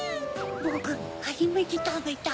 ボクはじめてたべたよ！